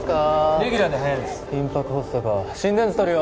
レギュラーで速いです頻拍発作か心電図とるよ